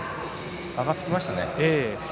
上がってきましたね。